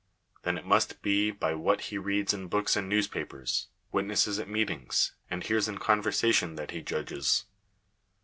Then it must be by what he reads in books and newspapers, witnesses at meetings, and hears in conversation that he judges?